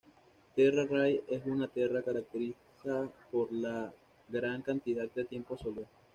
Terra Ray es una terra caracteriza por la gran cantidad de tiempo soleado.